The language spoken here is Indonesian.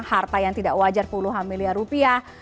harta yang tidak wajar puluhan miliar rupiah